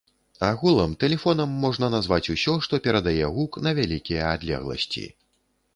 Агулам, тэлефонам можна назваць усё, што перадае гук на вялікія адлегласці.